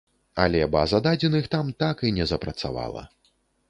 Але база дадзеных там так і не запрацавала.